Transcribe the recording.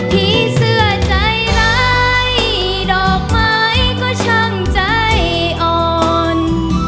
ผีเสื้อใจร้ายดอกไม้ก็ช่างใจอ่อน